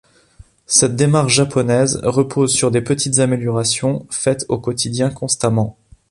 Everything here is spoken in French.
Cette démarche japonaise repose sur des petites améliorations faites au quotidien, constamment.